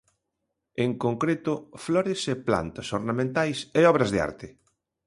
En concreto, flores e plantas ornamentais e obras de arte.